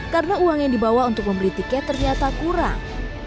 karena uang yang dibawa untuk membeli tiket ternyata kurang